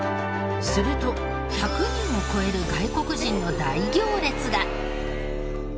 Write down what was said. すると１００人を超える外国人の大行列が！